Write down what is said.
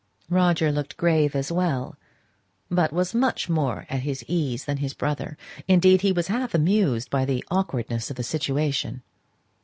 Roger looked grave as well, but was much more at his ease than his brother; indeed, he was half amused by the awkwardness of the situation.